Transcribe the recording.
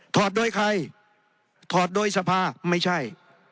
อดโดยใครถอดโดยสภาไม่ใช่